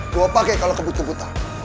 gue pake kalo kebut kebutan